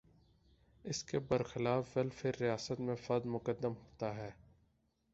اس کے برخلاف ویلفیئر ریاست میں فرد مقدم ہوتا ہے۔